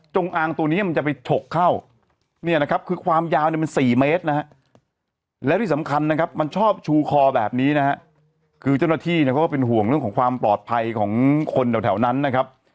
คือเจ้าหน้าที่เนี่ยก็เป็นห่วงเรื่องของความปลอดภัยของคนเดียวแถวนั้นนะครับ